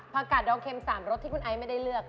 กาดดอกเข็ม๓รสที่คุณไอซ์ไม่ได้เลือก